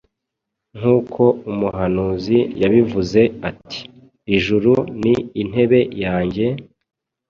nk’uko umuhanuzi yabivuze ati, ‘Ijuru ni intebe yanjye,